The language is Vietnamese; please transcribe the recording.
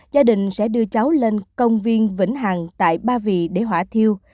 gia đình sẽ đưa cháu lên công viên vĩnh hằng tại ba vị để hỏa thiêu